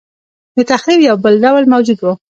دتخریب یو بل ډول موجود و.